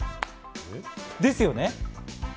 ですよね。